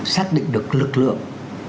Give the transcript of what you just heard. xác định được lực lượng